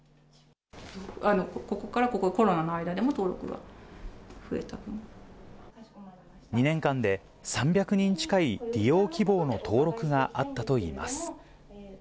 ここからここ、コロナの間で２年間で、３００人近い利用希望の登録があったといいます。